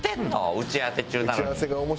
打ち合わせ中なのに。